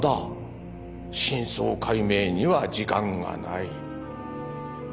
真相解明には時間がない。